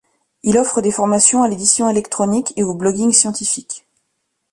Il offre des formations à l'édition électronique et au blogging scientifique.